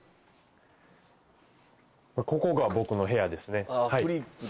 ここが僕の部屋ですねはい。